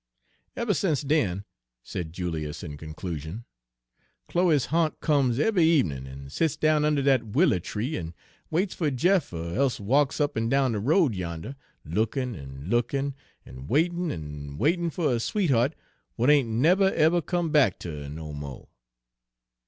Page 225 "Eber sence den," said Julius in conclusion, "Chloe's ha'nt comes eve'y ebenin' en sets down unner dat willer tree en waits fer Jeff er e'se walks up en down de road yander, lookin' en lookin', en waitin' en waitin', fer her sweethea't w'at ain' neber, eber come back ter her no mo'."